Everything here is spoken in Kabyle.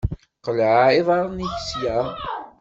Qleɛ iḍaṛṛen-ik sya!